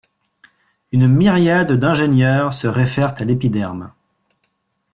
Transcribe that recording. Une myriade d'ingénieurs se réfèrent à l'épiderme.